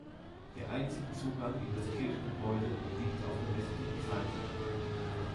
Der einzige Zugang in das Kirchengebäude liegt auf der westlichen Seite.